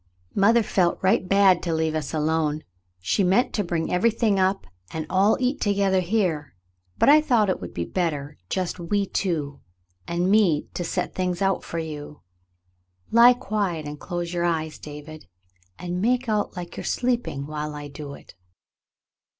"Mother felt right bad to leave us alone. She meant to bring everything up and all eat together here, but I thought it would be better, just we two, and me to set things out for you. Lie quiet and close your eyes, David, and make out like you are sleeping while I do it."